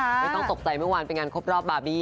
ไม่ต้องตกใจเมื่อวานเป็นงานครบรอบบาร์บี้